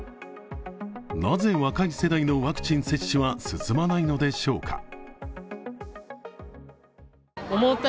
なぜ若い世代のワクチン接種は進まないのでしょうか。